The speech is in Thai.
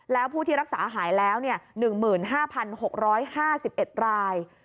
แล้วผู้ที่รักษาหายแล้ว๑๕๖๕๑ราย